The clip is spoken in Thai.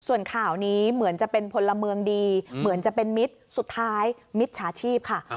ส่วนข่าวนี้เหมือนจะเป็นพลเมืองดีเหมือนจะเป็นมิตรสุดท้ายมิจฉาชีพค่ะ